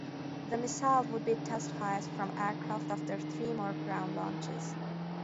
The missile would be test fired from aircraft after three more ground launches.